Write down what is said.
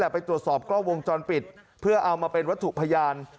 ไปตรวจสอบกล้องวงจรปิดเพื่อเอามาเป็นวัตถุพยาน